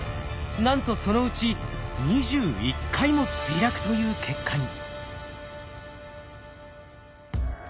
なんとそのうち２１回も墜落という結果に。